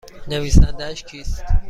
نویسندهاش کیست؟